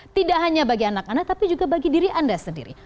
tidak hanya bagi anak anak tapi juga bagi diri anda sendiri